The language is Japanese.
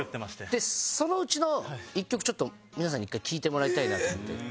でそのうちの１曲ちょっと皆さんに一回聴いてもらいたいなと思って。